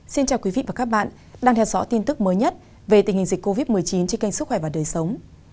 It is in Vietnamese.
xin chào quý vị và các bạn đang theo dõi tin tức mới nhất về tình hình dịch covid một mươi chín trên kênh sức khỏe và đời sống